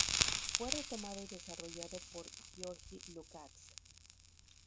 Fue retomado y desarrollado por György Lukács.